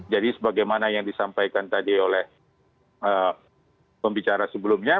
jadi sebagaimana yang disampaikan tadi oleh pembicara sebelumnya